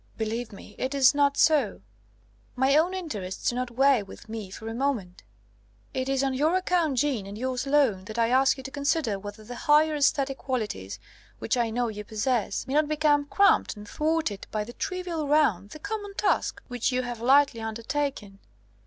Believe me, it is not so. My own interests do not weigh with me for a moment. It is on your account, Jeanne, and yours alone, that I ask you to consider whether the higher æsthetic qualities, which I know you possess, may not become cramped and thwarted by 'the trivial round, the common task,' which you have lightly undertaken.